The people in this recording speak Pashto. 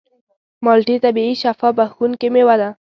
مالټې طبیعي شفا بښونکې مېوه ده.